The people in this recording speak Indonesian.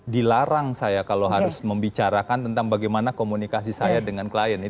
dilarang saya kalau harus membicarakan tentang bagaimana komunikasi saya dengan klien